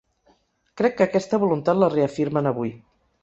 Crec que aquesta voluntat la reafirmen avui.